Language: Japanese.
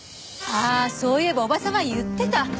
あっそういえばおば様言ってた。